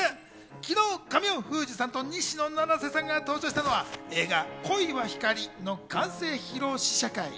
昨日、神尾楓珠さんと西野七瀬さんが登場したのは映画『恋は光』の完成披露試写会。